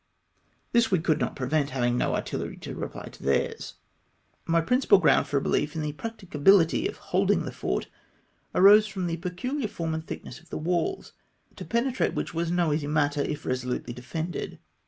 This we could not prevent, having no artillery to reply to theirs. My principal ground for a behef m the practicabihty of holding the fort arose from the pecuhar form and thickness of the walls, to penetrate which was no easy matter, if resolutely defended.